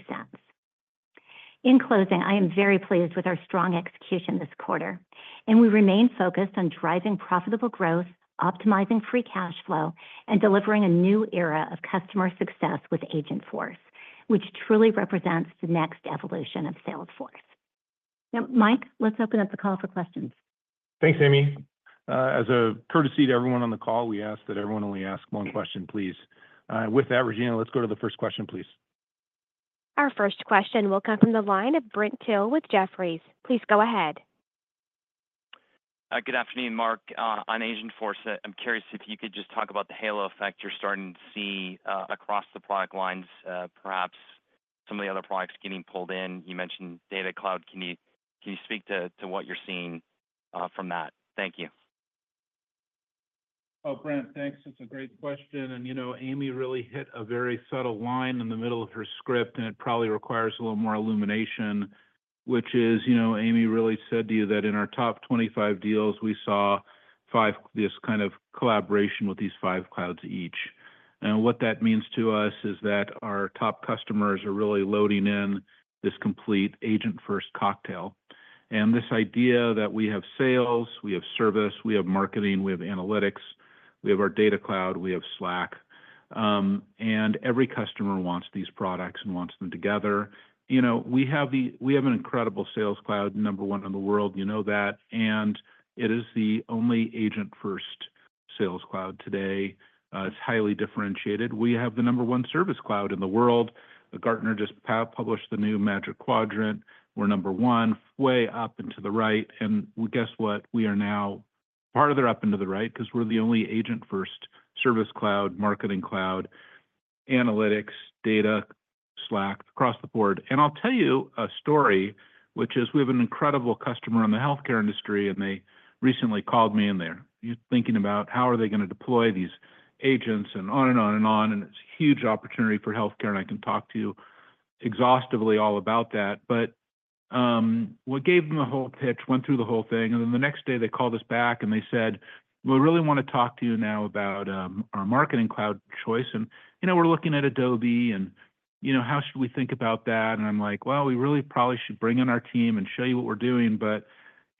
In closing, I am very pleased with our strong execution this quarter, and we remain focused on driving profitable growth, optimizing free cash flow, and delivering a new era of customer success with Agentforce, which truly represents the next evolution of Salesforce. Now, Mike, let's open up the call for questions. Thanks, Amy. As a courtesy to everyone on the call, we ask that everyone only ask one question, please. With that, Regina, let's go to the first question, please. Our first question will come from the line of Brent Thill with Jefferies. Please go ahead. Good afternoon, Marc. On Agentforce, I'm curious if you could just talk about the halo effect you're starting to see across the product lines, perhaps some of the other products getting pulled in. You mentioned Data Cloud. Can you speak to what you're seeing from that? Thank you. Oh, Brent, thanks. That's a great question. And you know Amy really hit a very subtle line in the middle of her script, and it probably requires a little more illumination, which is, you know Amy really said to you that in our top 25 deals, we saw this kind of collaboration with these five clouds each. And what that means to us is that our top customers are really loading in this complete Agentforce cocktail. This idea that we have sales, we have service, we have marketing, we have analytics, we have our Data Cloud, we have Slack, and every customer wants these products and wants them together. You know we have an incredible Sales Cloud, number one in the world. You know that. It is the only Agentforce Sales Cloud today. It's highly differentiated. We have the number one Service Cloud in the world. Gartner just published the new Magic Quadrant. We're number one, way up and to the right. Guess what? We are now farther up and to the right because we're the only Agentforce Service Cloud, Marketing Cloud, analytics, data, Slack, across the board. And I'll tell you a story, which is we have an incredible customer in the healthcare industry, and they recently called me and they're thinking about how are they going to deploy these agents and on and on and on. And it's a huge opportunity for healthcare, and I can talk to you exhaustively all about that. But what gave them a whole pitch, went through the whole thing, and then the next day they called us back and they said, "We really want to talk to you now about our Marketing Cloud choice. You know we're looking at Adobe, and you know how should we think about that? And I'm like, "Well, we really probably should bring in our team and show you what we're doing." But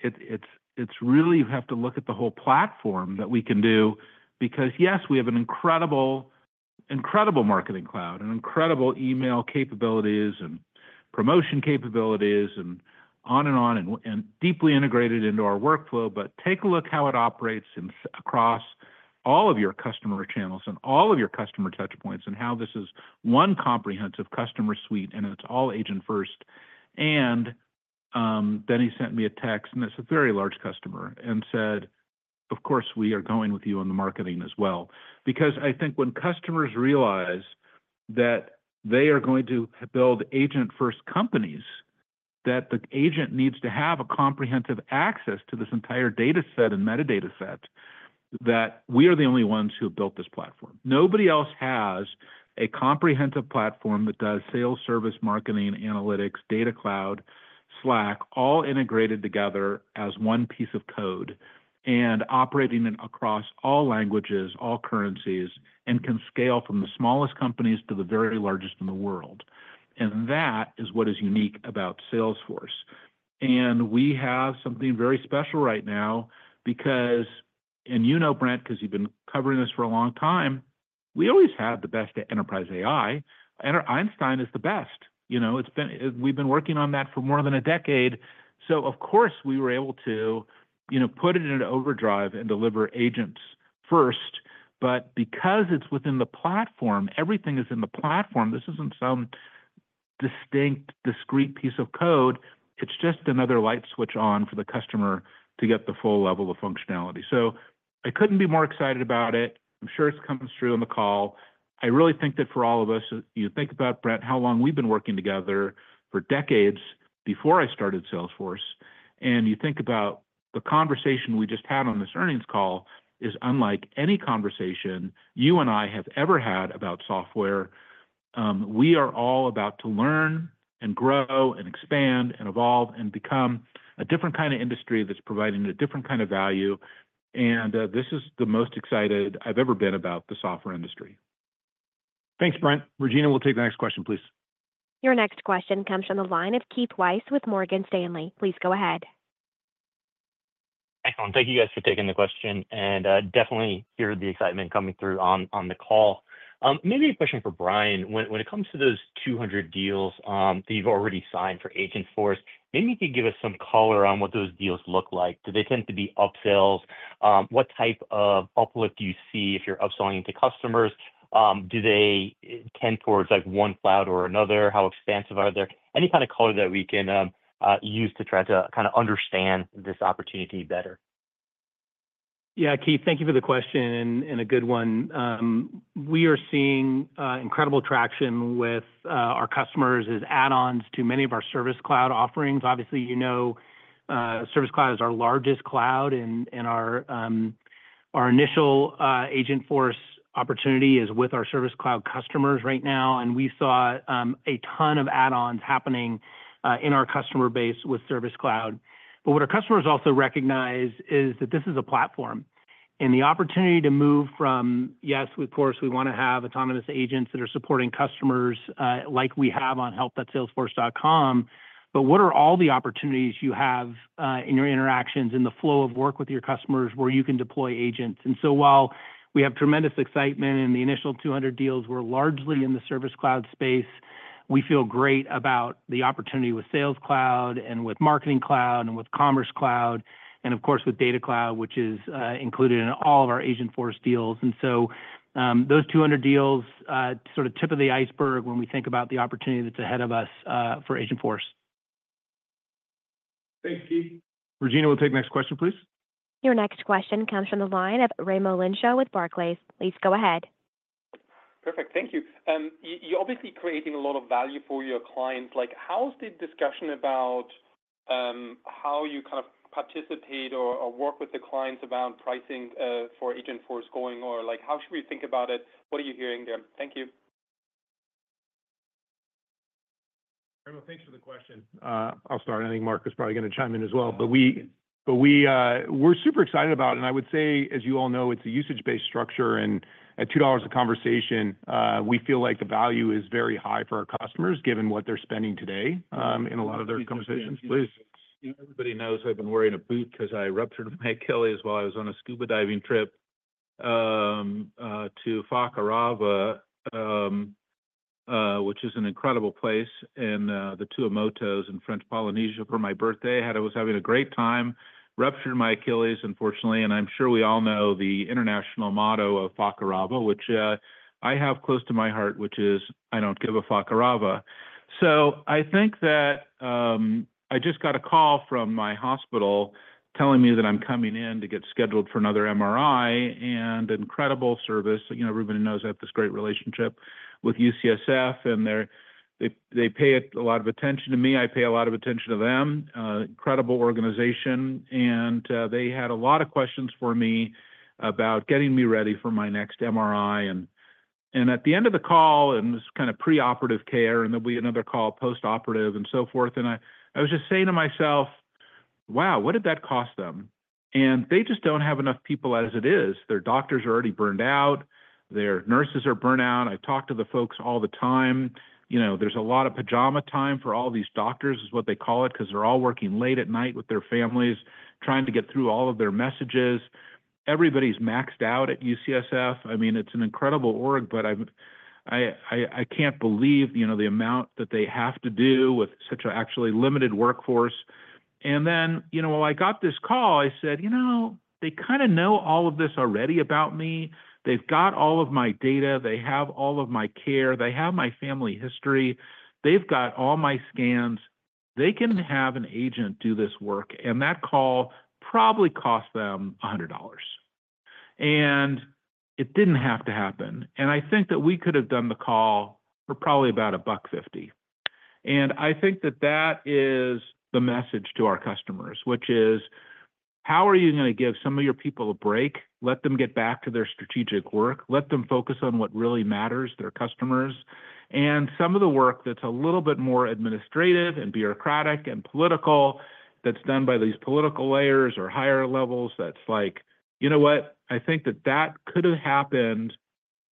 it's really you have to look at the whole platform that we can do because, yes, we have an incredible marketing cloud and incredible email capabilities and promotion capabilities and on and on and deeply integrated into our workflow. But take a look how it operates across all of your customer channels and all of your customer touchpoints and how this is one comprehensive customer suite, and it's all Agentforce. And then he sent me a text, and it's a very large customer, and said, "Of course, we are going with you on the marketing as well." Because I think when customers realize that they are going to build Agentforce companies, that the agent needs to have a comprehensive access to this entire data set and metadata set, that we are the only ones who have built this platform. Nobody else has a comprehensive platform that does sales, service, marketing, analytics, Data Cloud, Slack, all integrated together as one piece of code and operating across all languages, all currencies, and can scale from the smallest companies to the very largest in the world. And that is what is unique about Salesforce. We have something very special right now because, and you know, Brent, because you've been covering this for a long time, we always had the best enterprise AI, and Einstein is the best. You know we've been working on that for more than a decade. Of course, we were able to, you know, put it into overdrive and deliver agents first. Because it's within the platform, everything is in the platform. This isn't some distinct, discrete piece of code. It's just another light switch on for the customer to get the full level of functionality. I couldn't be more excited about it. I'm sure it comes through on the call. I really think that for all of us, you think about, Brent, how long we've been working together for decades before I started Salesforce. And you think about the conversation we just had on this earnings call is unlike any conversation you and I have ever had about software. We are all about to learn and grow and expand and evolve and become a different kind of industry that's providing a different kind of value. And this is the most excited I've ever been about the software industry. Thanks, Brent. Regina, we'll take the next question, please. Your next question comes from the line of Keith Weiss with Morgan Stanley. Please go ahead. Excellent. Thank you, guys, for taking the question. And definitely hear the excitement coming through on the call. Maybe a question for Brian. When it comes to those 200 deals that you've already signed for Agentforce, maybe you could give us some color on what those deals look like. Do they tend to be upsells? What type of uplift do you see if you're upselling to customers? Do they tend towards one cloud or another? How expansive are they? Any kind of color that we can use to try to kind of understand this opportunity better? Yeah, Keith, thank you for the question and a good one. We are seeing incredible traction with our customers as add-ons to many of our Service Cloud offerings. Obviously, you know Service Cloud is our largest cloud, and our initial Agentforce opportunity is with our Service Cloud customers right now. And we saw a ton of add-ons happening in our customer base with Service Cloud. But what our customers also recognize is that this is a platform. And the opportunity to move from, yes, of course, we want to have autonomous agents that are supporting customers like we have on help.salesforce.com, but what are all the opportunities you have in your interactions in the flow of work with your customers where you can deploy agents? And so while we have tremendous excitement in the initial 200 deals, we're largely in the Service Cloud space, we feel great about the opportunity with Sales Cloud and with Marketing Cloud and with Commerce Cloud and, of course, with Data Cloud, which is included in all of our Agentforce deals. And so those 200 deals sort of tip of the iceberg when we think about the opportunity that's ahead of us for Agentforce. Thank you. Regina, we'll take the next question, please. Your next question comes from the line of Raimo Lenschow with Barclays. Please go ahead. Perfect. Thank you. You're obviously creating a lot of value for your clients. How's the discussion about how you kind of participate or work with the clients around pricing for Agentforce going? Or how should we think about it? What are you hearing there? Thank you. Thanks for the question. I'll start. I think Marc is probably going to chime in as well, but we're super excited about it, and I would say, as you all know, it's a usage-based structure, and at $2 a conversation, we feel like the value is very high for our customers given what they're spending today in a lot of their conversations. Please. Everybody knows I've been wearing a boot because I ruptured my Achilles while I was on a scuba diving trip to Fakarava, which is an incredible place, and the Tuamotus in French Polynesia for my birthday. I was having a great time, ruptured my Achilles, unfortunately, and I'm sure we all know the international motto of Fakarava, which I have close to my heart, which is, "I don't give a fuck a rava." I think that I just got a call from my hospital telling me that I'm coming in to get scheduled for another MRI and incredible service. You know Ruben knows I have this great relationship with UCSF, and they pay a lot of attention to me. I pay a lot of attention to them. Incredible organization, and they had a lot of questions for me about getting me ready for my next MRI. And at the end of the call, and it was kind of pre-operative care, and there'll be another call post-operative and so forth, and I was just saying to myself, "Wow, what did that cost them?" And they just don't have enough people as it is. Their doctors are already burned out. Their nurses are burned out. I talk to the folks all the time. You know there's a lot of pajama time for all these doctors, is what they call it, because they're all working late at night with their families trying to get through all of their messages. Everybody's maxed out at UCSF. I mean, it's an incredible org, but I can't believe you know the amount that they have to do with such an actually limited workforce. Then you know while I got this call, I said, "You know, they kind of know all of this already about me. They've got all of my data. They have all of my care. They have my family history. They've got all my scans. They can have an agent do this work." And that call probably cost them $100. And it didn't have to happen. And I think that we could have done the call for probably about $1.50. And I think that that is the message to our customers, which is, how are you going to give some of your people a break? Let them get back to their strategic work. Let them focus on what really matters, their customers. And some of the work that's a little bit more administrative and bureaucratic and political that's done by these political layers or higher levels, that's like, you know what? I think that that could have happened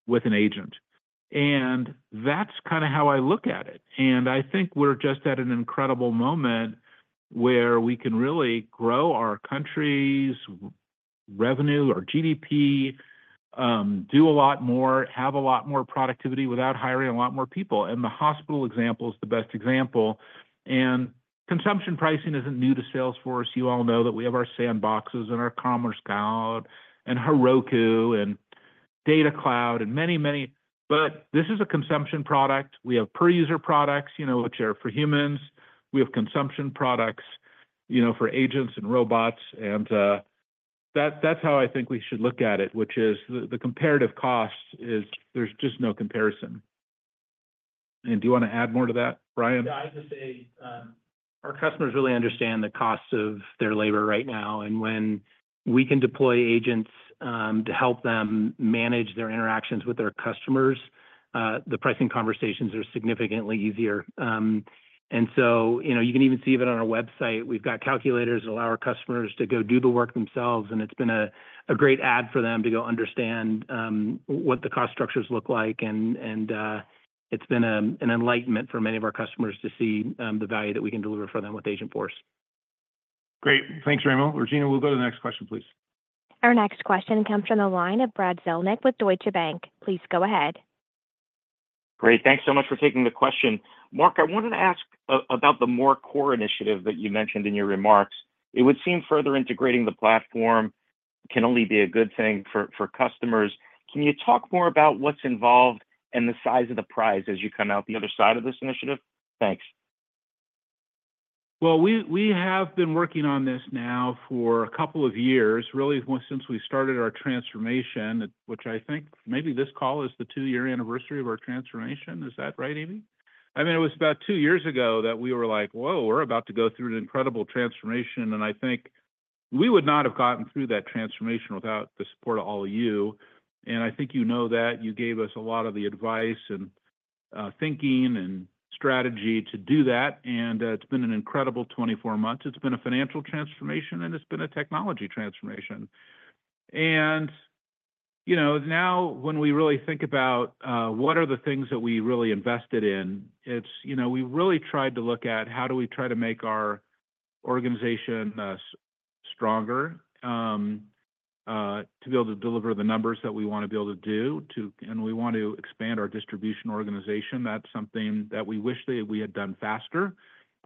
with an agent. And that's kind of how I look at it. And I think we're just at an incredible moment where we can really grow our country's revenue or GDP, do a lot more, have a lot more productivity without hiring a lot more people. And the hospital example is the best example. And consumption pricing isn't new to Salesforce. You all know that we have our sandboxes and our Commerce Cloud and Heroku and Data Cloud and many, many. But this is a consumption product. We have per-user products, you know, which are for humans. We have consumption products, you know, for agents and robots. That's how I think we should look at it, which is the comparative cost is there's just no comparison. Do you want to add more to that, Brian? Yeah, I'd just say our customers really understand the costs of their labor right now. When we can deploy agents to help them manage their interactions with their customers, the pricing conversations are significantly easier. So you can even see it on our website. We've got calculators that allow our customers to go do the work themselves. It's been a great add for them to go understand what the cost structures look like. It's been an enlightenment for many of our customers to see the value that we can deliver for them with Agentforce. Great. Thanks, Raimo. Regina, we'll go to the next question, please. Our next question comes from the line of Brad Zelnick with Deutsche Bank. Please go ahead. Great. Thanks so much for taking the question. Marc, I wanted to ask about the more core initiative that you mentioned in your remarks. It would seem further integrating the platform can only be a good thing for customers. Can you talk more about what's involved and the size of the prize as you come out the other side of this initiative? Thanks. We have been working on this now for a couple of years, really since we started our transformation, which I think maybe this call is the two-year anniversary of our transformation. Is that right, Amy? I mean, it was about two years ago that we were like, "Whoa, we're about to go through an incredible transformation." And I think we would not have gotten through that transformation without the support of all of you. And I think you know that. You gave us a lot of the advice and thinking and strategy to do that. And it's been an incredible 24 months. It's been a financial transformation, and it's been a technology transformation. And you know now when we really think about what are the things that we really invested in, it's you know we really tried to look at how do we try to make our organization stronger to be able to deliver the numbers that we want to be able to do. And we want to expand our distribution organization. That's something that we wish that we had done faster.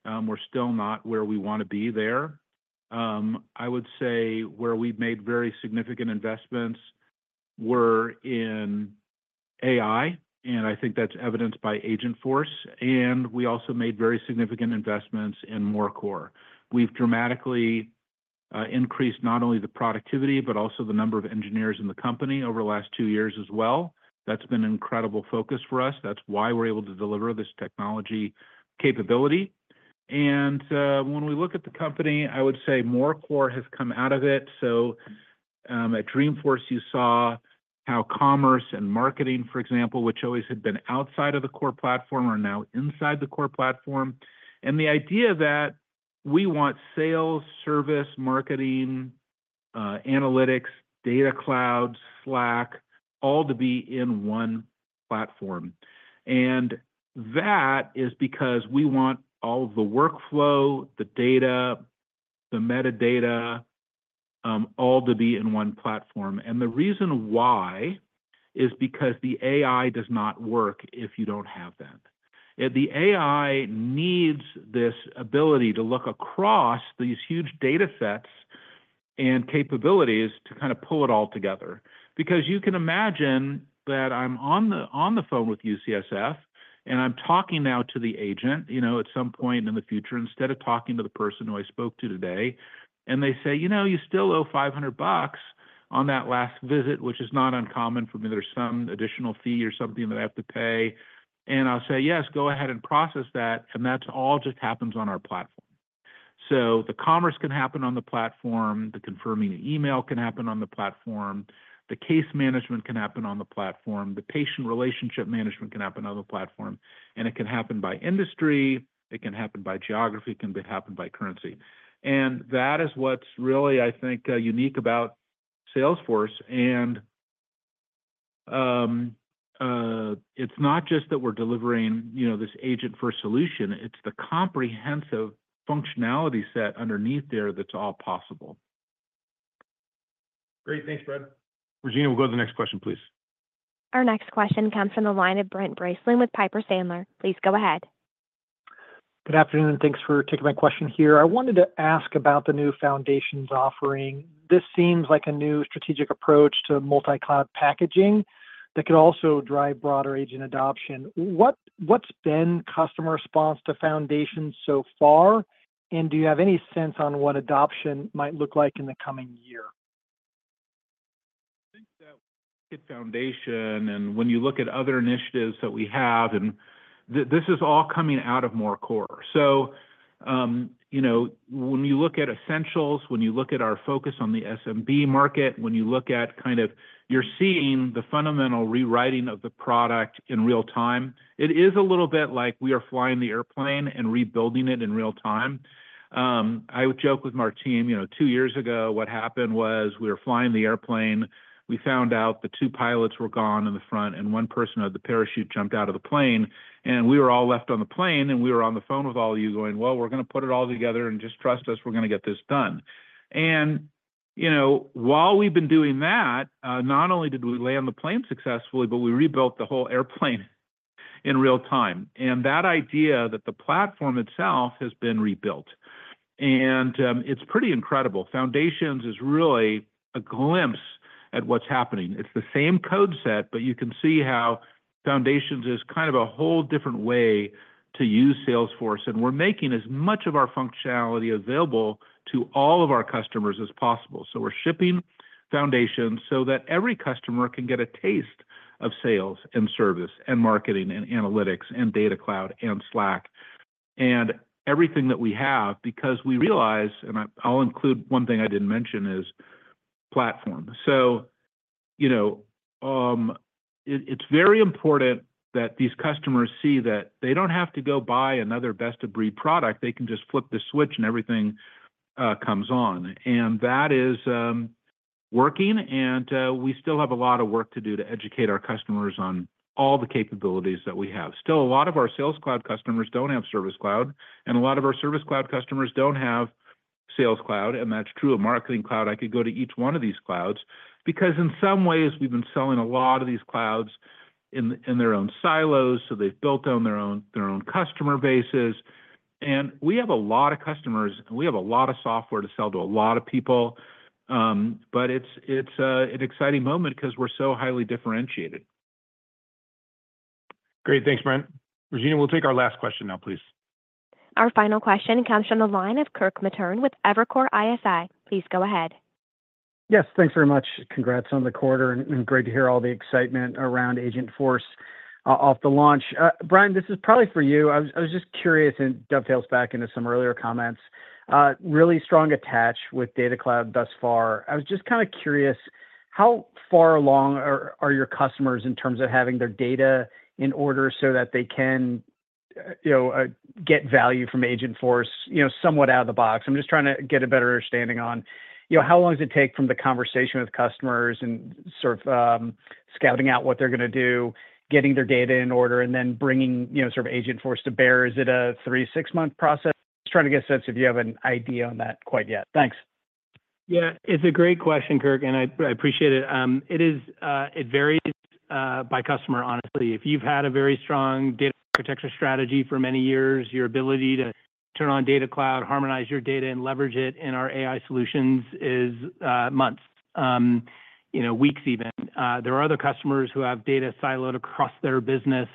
We're still not where we want to be there. I would say where we've made very significant investments were in AI, and I think that's evidenced by Agentforce. We also made very significant investments in our core. We've dramatically increased not only the productivity, but also the number of engineers in the company over the last two years as well. That's been an incredible focus for us. That's why we're able to deliver this technology capability. When we look at the company, I would say our core has come out of it. At Dreamforce, you saw how commerce and marketing, for example, which always had been outside of the core platform, are now inside the core platform. The idea that we want sales, service, marketing, analytics, data clouds, Slack, all to be in one platform. And that is because we want all of the workflow, the data, the metadata, all to be in one platform. And the reason why is because the AI does not work if you don't have that. The AI needs this ability to look across these huge data sets and capabilities to kind of pull it all together. Because you can imagine that I'm on the phone with UCSF, and I'm talking now to the agent, you know, at some point in the future, instead of talking to the person who I spoke to today. And they say, "You know, you still owe $500 on that last visit," which is not uncommon for me. There's some additional fee or something that I have to pay. And I'll say, "Yes, go ahead and process that." And that all just happens on our platform. So the commerce can happen on the platform. The confirming email can happen on the platform. The case management can happen on the platform. The patient relationship management can happen on the platform. And it can happen by industry. It can happen by geography. It can happen by currency. And that is what's really, I think, unique about Salesforce. And it's not just that we're delivering, you know, this agent-first solution. It's the comprehensive functionality set underneath there that's all possible. Great. Thanks, Brad. Regina, we'll go to the next question, please. Our next question comes from the line of Brent Bracelin with Piper Sandler. Please go ahead. Good afternoon. Thanks for taking my question here. I wanted to ask about the new Foundations offering. This seems like a new strategic approach to multi-cloud packaging that could also drive broader agent adoption. What's been customer response to Foundations so far? Do you have any sense on what adoption might look like in the coming year? I think that Foundations. When you look at other initiatives that we have, and this is all coming out of our core. So you know when you look at Essentials, when you look at our focus on the SMB market, when you look at kind of, you're seeing the fundamental rewriting of the product in real time. It is a little bit like we are flying the airplane and rebuilding it in real time. I would joke with Martin, you know, two years ago, what happened was we were flying the airplane. We found out the two pilots were gone in the front, and one person with the parachute jumped out of the plane. We were all left on the plane, and we were on the phone with all of you going, "Well, we're going to put it all together, and just trust us, we're going to get this done." You know, while we've been doing that, not only did we land the plane successfully, but we rebuilt the whole airplane in real time. That idea that the platform itself has been rebuilt. It's pretty incredible. Foundations is really a glimpse at what's happening. It's the same code set, but you can see how Foundations is kind of a whole different way to use Salesforce. We're making as much of our functionality available to all of our customers as possible. So we're shipping Foundations so that every customer can get a taste of Sales and Service and Marketing and Analytics and Data Cloud and Slack and everything that we have, because we realize, and I'll include one thing I didn't mention, is Platform. So you know, it's very important that these customers see that they don't have to go buy another best-of-breed product. They can just flip the switch, and everything comes on. And that is working. And we still have a lot of work to do to educate our customers on all the capabilities that we have. Still, a lot of our Sales Cloud customers don't have Service Cloud. And a lot of our Service Cloud customers don't have Sales Cloud. And that's true of Marketing Cloud. I could go to each one of these clouds, because in some ways, we've been selling a lot of these clouds in their own silos. So they've built on their own customer bases. And we have a lot of customers, and we have a lot of software to sell to a lot of people. But it's an exciting moment because we're so highly differentiated. Great. Thanks, Brent. Regina, we'll take our last question now, please. Our final question comes from the line of Kirk Materne with Evercore ISI. Please go ahead. Yes, thanks very much. Congrats on the quarter. And great to hear all the excitement around Agentforce after the launch. Brian, this is probably for you. I was just curious, and dovetails back into some earlier comments, really strong attach with Data Cloud thus far. I was just kind of curious, how far along are your customers in terms of having their data in order so that they can get value from Agentforce, you know, somewhat out of the box? I'm just trying to get a better understanding on, you know, how long does it take from the conversation with customers and sort of scouting out what they're going to do, getting their data in order, and then bringing, you know, sort of Agentforce to bear? Is it a three- to six-month process? Just trying to get a sense if you have an idea on that quite yet. Thanks. Yeah, it's a great question, Kirk, and I appreciate it. It varies by customer, honestly. If you've had a very strong data architecture strategy for many years, your ability to turn on Data Cloud, harmonize your data, and leverage it in our AI solutions is months, you know, weeks even. There are other customers who have data siloed across their business.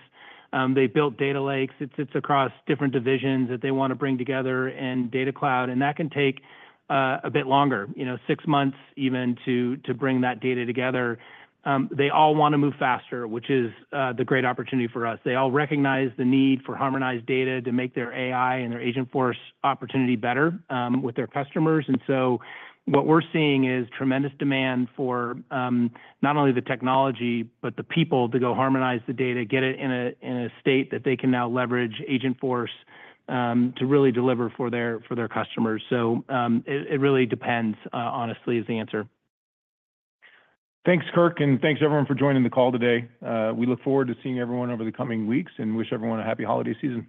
They've built data lakes. It's across different divisions that they want to bring together in Data Cloud. And that can take a bit longer, you know, six months even to bring that data together. They all want to move faster, which is the great opportunity for us. They all recognize the need for harmonized data to make their AI and their Agentforce opportunity better with their customers. And so what we're seeing is tremendous demand for not only the technology, but the people to go harmonize the data, get it in a state that they can now leverage Agentforce to really deliver for their customers. So it really depends, honestly, is the answer. Thanks, Kirk, and thanks everyone for joining the call today. We look forward to seeing everyone over the coming weeks and wish everyone a happy holiday season.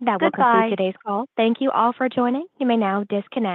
That was all for today's call. Thank you all for joining. You may now disconnect.